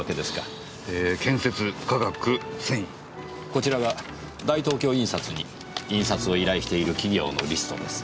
こちらが大東京印刷に印刷を依頼している企業のリストです。